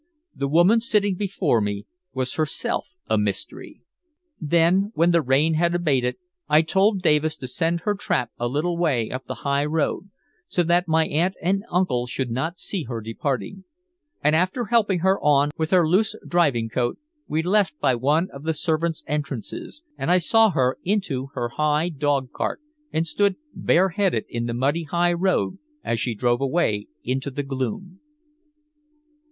The woman sitting before me was herself a mystery. Then, when the rain had abated, I told Davis to send her trap a little way up the high road, so that my aunt and uncle should not see her departing; and after helping her on with her loose driving coat, we left by one of the servants' entrances, and I saw her into her high dog cart and stood bareheaded in the muddy high road as she drove away into the gloom.